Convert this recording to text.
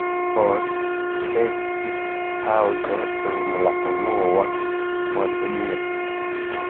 Poste estis paŭzo dum la unua mondmilito.